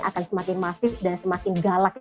akan semakin masif dan semakin galak